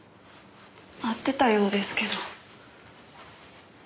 会ってたようですけど。